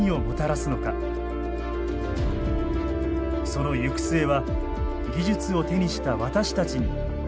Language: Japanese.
その行く末は技術を手にした私たちに託されています。